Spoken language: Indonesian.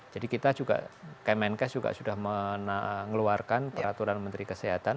jadi kita juga kemenkes juga sudah mengeluarkan peraturan menteri kesehatan